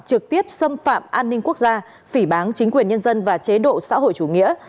trực tiếp xâm phạm an ninh quốc gia phỉ bán chính quyền nhân dân và chế độ xã hội chủ nghĩa